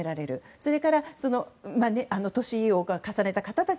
それから、年を重ねた方たち